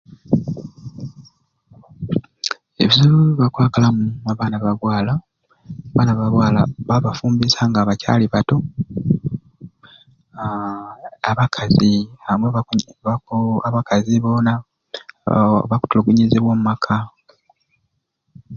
Ebizibu byebakwakalamu abaana ba bwaala, abaana ba bwaala babafumbizanga nga bacaali bato naaa n'abakazi nabo baku n'abakazi boona boo bakutulugunyizibwa omu maka.